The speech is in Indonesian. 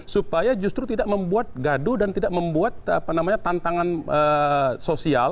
supaya justru tidak membuat gaduh dan tidak membuat tantangan sosial